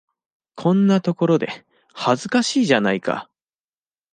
こんなところで、恥ずかしいじゃないか。